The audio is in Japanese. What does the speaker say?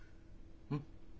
うん？